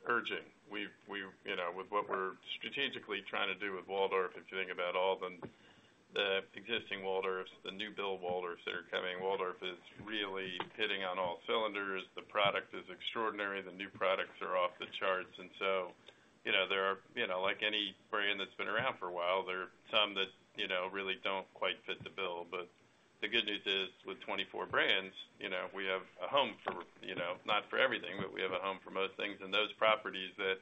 urging. We've, we've—you know, with what we're strategically trying to do with Waldorf, if you think about all the, the existing Waldorfs, the new build Waldorfs that are coming, Waldorf is really hitting on all cylinders. The product is extraordinary. The new products are off the charts. And so, you know, there are... You know, like any brand that's been around for a while, there are some that, you know, really don't quite fit the bill. But the good news is, with 24 brands, you know, we have a home for, you know, not for everything, but we have a home for most things. And those properties that,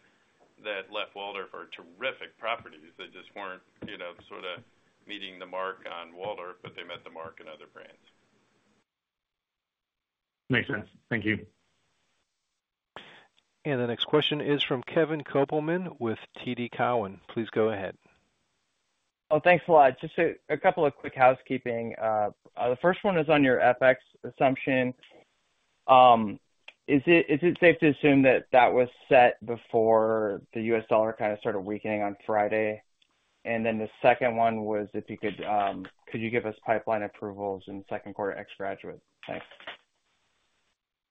that left Waldorf are terrific properties. They just weren't, you know, sort of meeting the mark on Waldorf, but they met the mark on other brands. Makes sense. Thank you. The next question is from Kevin Kopelman with TD Cowen. Please go ahead. Oh, thanks a lot. Just a couple of quick housekeeping. The first one is on your FX assumption. Is it safe to assume that that was set before the US dollar kind of started weakening on Friday? And then the second one was, if you could, could you give us pipeline approvals in the second quarter, ex-Graduate? Thanks.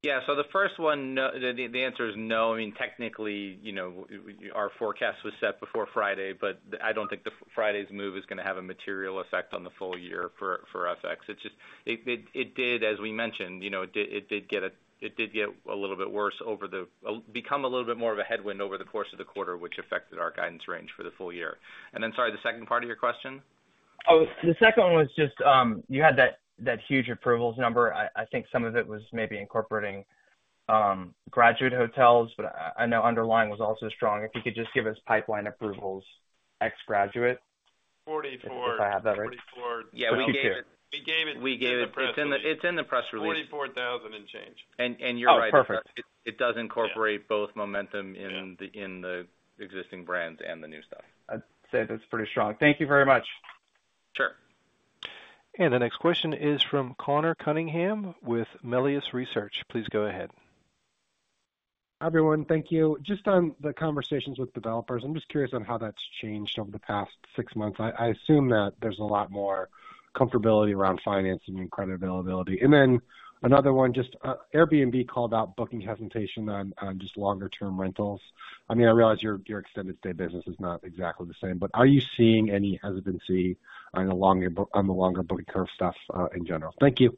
Yeah. So the first one, no, the answer is no. I mean, technically, you know, our forecast was set before Friday, but I don't think the Friday's move is gonna have a material effect on the full year for FX. It's just it did, as we mentioned, you know, it did get a little bit worse, become a little bit more of a headwind over the course of the quarter, which affected our guidance range for the full year. And then, sorry, the second part of your question? Oh, the second one was just you had that huge approvals number. I think some of it was maybe incorporating Graduate Hotels, but I know underlying was also strong. If you could just give us pipeline approvals, ex-Graduate? Forty-four- If I have that right. Forty-four. Yeah, we gave it- We gave it- We gave it. It's in the press release. 44,000 and change. Oh, perfect. And you're right, it does incorporate both momentum- Yeah... in the existing brands and the new stuff. I'd say that's pretty strong. Thank you very much. Sure. The next question is from Conor Cunningham with Melius Research. Please go ahead. Hi, everyone. Thank you. Just on the conversations with developers, I'm just curious on how that's changed over the past six months. I assume that there's a lot more comfortability around financing and credit availability. And then another one, just, Airbnb called out booking hesitation on just longer-term rentals. I mean, I realize your extended stay business is not exactly the same, but are you seeing any hesitancy on the longer booking curve stuff in general? Thank you.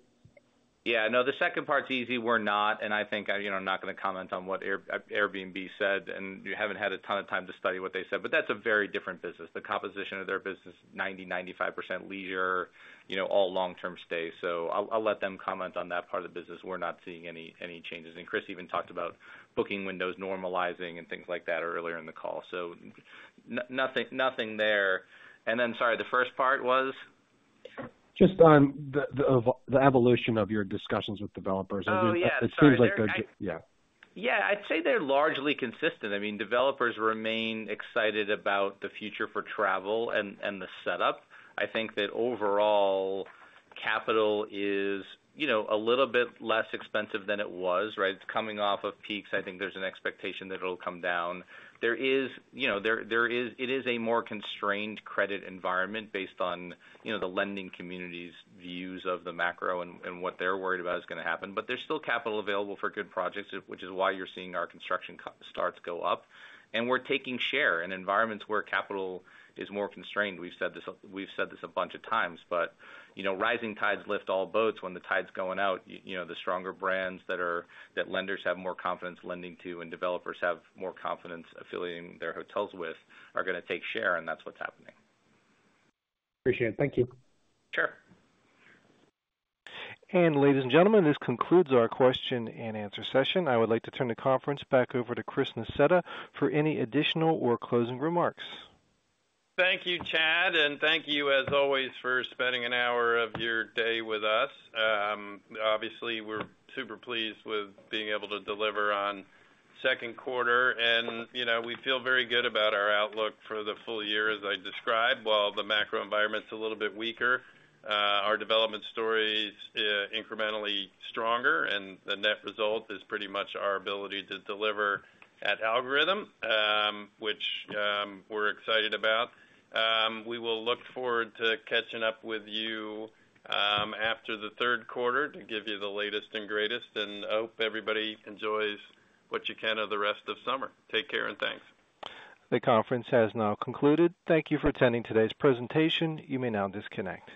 Yeah. No, the second part's easy. We're not, and I think, you know, I'm not gonna comment on what Airbnb said, and we haven't had a ton of time to study what they said, but that's a very different business. The composition of their business, 90%-95% leisure, you know, all long-term stay. So I'll let them comment on that part of the business. We're not seeing any changes. And Chris even talked about booking windows normalizing and things like that earlier in the call. So nothing, nothing there. And then, sorry, the first part was? Just on the evolution of your discussions with developers. Oh, yeah. It seems like they're... Yeah. Yeah, I'd say they're largely consistent. I mean, developers remain excited about the future for travel and the setup. I think that overall capital is, you know, a little bit less expensive than it was, right? It's coming off of peaks. I think there's an expectation that it'll come down. There is, you know, it is a more constrained credit environment based on, you know, the lending community's views of the macro and what they're worried about is gonna happen. But there's still capital available for good projects, which is why you're seeing our construction starts go up, and we're taking share in environments where capital is more constrained. We've said this, we've said this a bunch of times, but, you know, rising tides lift all boats. When the tide's going out, you know, the stronger brands that lenders have more confidence lending to and developers have more confidence affiliating their hotels with are gonna take share, and that's what's happening. Appreciate it. Thank you. Sure. Ladies and gentlemen, this concludes our question-and-answer session. I would like to turn the conference back over to Chris Nassetta for any additional or closing remarks. Thank you, Chad, and thank you as always, for spending an hour of your day with us. Obviously, we're super pleased with being able to deliver on second quarter, and, you know, we feel very good about our outlook for the full year, as I described. While the macro environment's a little bit weaker, our development story is incrementally stronger, and the net result is pretty much our ability to deliver at algorithm, which we're excited about. We will look forward to catching up with you after the third quarter to give you the latest and greatest, and hope everybody enjoys what you can of the rest of summer. Take care, and thanks. The conference has now concluded. Thank you for attending today's presentation. You may now disconnect.